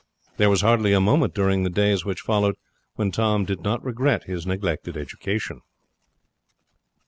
There was hardly a moment during the days which followed when Tom did not regret his neglected education.